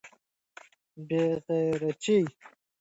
بیرغچی سخت زخمي سو.